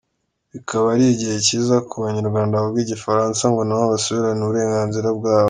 Bikaba ari igihe cyiza ku banyarwanda bavuga igifaransa, ngo nabo basubirane uburenganzira bwabo.